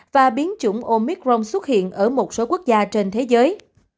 và biến chủng omicron xuất hiện ở một số quốc gia trên thế giới